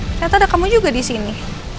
ternyata ada kamu juga di sini